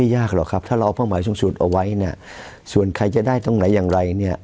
ถ้าเราเอาเป้าหมายสูงสุดเอาไว้ส่วนใครจะได้ตรงไหนอย่างไร